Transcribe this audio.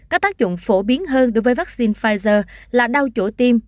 các tác dụng phổ biến hơn đối với vaccine pfizer là đau chỗ tim